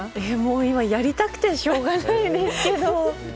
今、やりたくてしょうがないですけど。